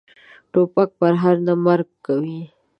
توپک پرهر نه، مرګ کوي.